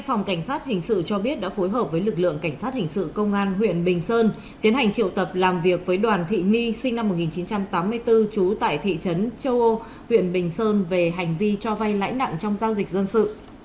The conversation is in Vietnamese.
phòng cảnh sát hình sự cho biết đã phối hợp với lực lượng cảnh sát hình sự công an huyện bình sơn tiến hành triệu tập làm việc với đoàn thị my sinh năm một nghìn chín trăm tám mươi bốn trú tại thị trấn châu âu huyện bình sơn về hành vi cho vay lãi nặng trong giao dịch dân sự